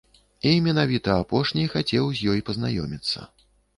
І менавіта апошні хацеў з ёй пазнаёміцца.